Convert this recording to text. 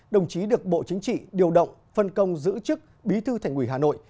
đồng chí được bộ chính trị điều động phân công giữ chức bí thư thành ủy hà nội